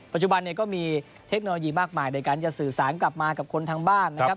ปัจจุบันเนี่ยก็มีเทคโนโลยีมากมายในการจะสื่อสารกลับมากับคนทางบ้านนะครับ